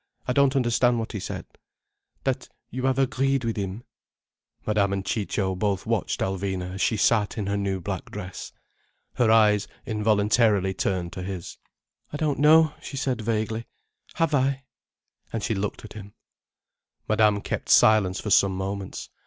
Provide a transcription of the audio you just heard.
"I don't understand what he said." "That you have agreed with him—" Madame and Ciccio both watched Alvina as she sat in her new black dress. Her eyes involuntarily turned to his. "I don't know," she said vaguely. "Have I—?" and she looked at him. Madame kept silence for some moments.